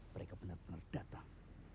mereka benar benar datang